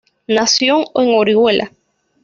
Nació en Orihuela.